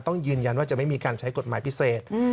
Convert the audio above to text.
ต้องยืนยันว่าจะไม่มีการใช้กฎหมายพิเศษ